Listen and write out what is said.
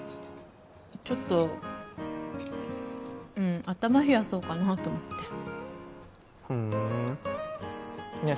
ちょっと頭冷やそうかなと思ってふんねえ